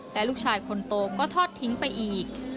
และลูกชายคนโตก็ทอดทิ้งไปอีก